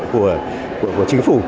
hỗ trợ của chính phủ